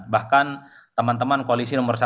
bahkan teman teman koalisi nomor satu